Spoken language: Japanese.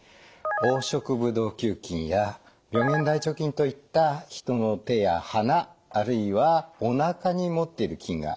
黄色ブドウ球菌や病原大腸菌といった人の手や鼻あるいはおなかに持っている菌が怖いんです。